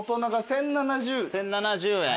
１，０７０円。